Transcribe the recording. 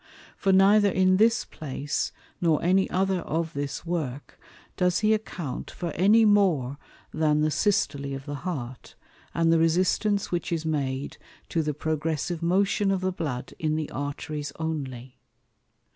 For neither in this Place, nor any other of this Work, does he account for any more than the Systole of the Heart, and the resistance which is made to the progressive motion of the Blood in the Arteries only.